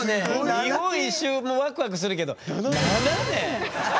日本一周もワクワクするけど７年！